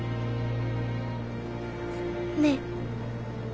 ねえ。